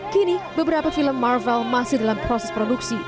kini beberapa film marvel masih dalam proses produksi